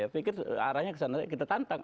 pikir arahnya kesana saja kita tantang